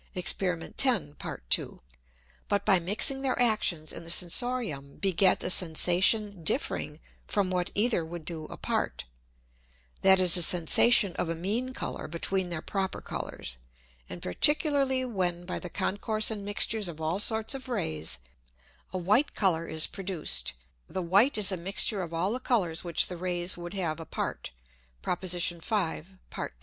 (Exper. 10. Part 2.) but by mixing their Actions in the Sensorium beget a Sensation differing from what either would do apart, that is a Sensation of a mean Colour between their proper Colours; and particularly when by the concourse and mixtures of all sorts of Rays, a white Colour is produced, the white is a mixture of all the Colours which the Rays would have apart, (Prop. 5. Part 2.)